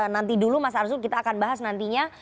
nanti dulu mas arzul kita akan bahas nantinya